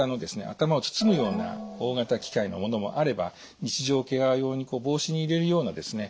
頭を包むような大型機械の物もあれば日常ケア用に帽子に入れるようなですね